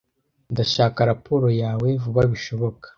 Ndashaka raporo yawe vuba bishoboka.